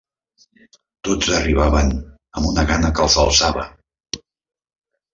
Tots arribaven amb una gana que els alçava